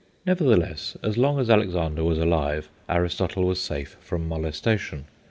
Nevertheless, as long as Alexander was alive, Aristotle was safe from molestation.